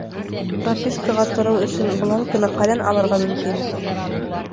Пропискаға тороу өсөн бланкыны ҡайҙан алырға мөмкин?